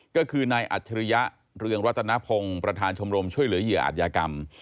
ก็คือนายอัจฉริยะเรืองรัตนพงศ์ประธานชมรมช่วยเหลือเหยื่ออาจยากรรม